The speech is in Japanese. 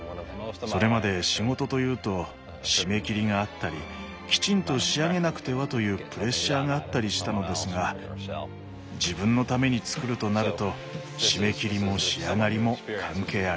それまで仕事というと締め切りがあったりきちんと仕上げなくてはというプレッシャーがあったりしたのですが自分のためにつくるとなると締め切りも仕上がりも関係ありません。